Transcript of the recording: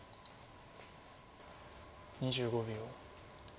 ２５秒。